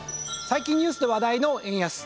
最近ニュースで話題の円安。